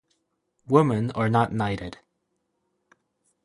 Women are not knighted.